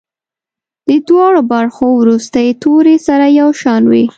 د دواړو برخو وروستي توري سره یو شان وي.